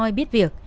nói biết việc